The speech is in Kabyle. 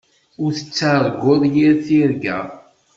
Ur ttarguɣ yir tirga.